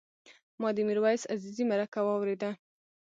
ما د میرویس عزیزي مرکه واورېده.